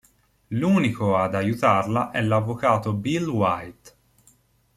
L'unico ad aiutarla è l'avvocato Bill White.